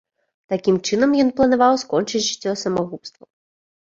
Такім чынам ён планаваў скончыць жыццё самагубствам.